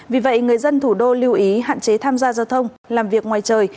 vì vậy người dân thủ đô lưu ý hạn chế tham gia giao thông làm việc ngoài trời